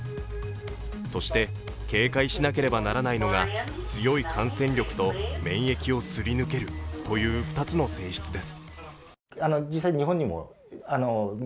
そして警戒しなければならないのが強い感染力と免疫をすり抜けるという２つの性質です。